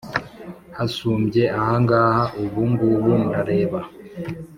Hasumbye ahangaha Ubu ngubu ndareba